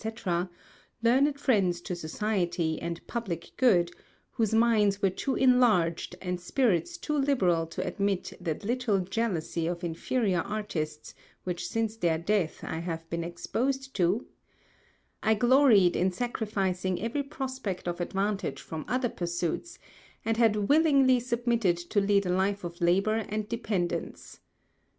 &c.ŌĆöŌĆölearned Friends to Society, and Publick Good, whose Minds were too enlarged, and Spirits too liberal to admit that little Jealousy of inferior Artists, which since their Death I have been exposed to) I gloried in sacrificing every Prospect of Advantage from other Pursuits, and had willingly submitted to lead a Life of Labour and Dependence.